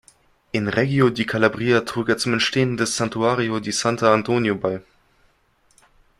In Reggio di Calabria trug er zum Entstehen des Santuario di Sant'Antonio bei.